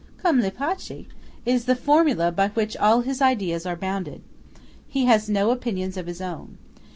Come lei piace! It is the formula by which all his ideas are bounded. He has no opinions of his own.